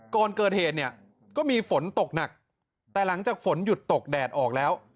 ก่อนเกิดเหตุเนี่ยก็มีฝนตกหนักแต่หลังจากฝนหยุดตกแดดออกแล้ว